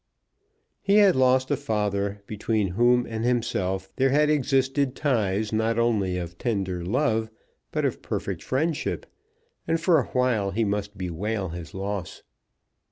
He had lost a father between whom and himself there had existed ties, not only of tender love, but of perfect friendship, and for awhile he must bewail his loss.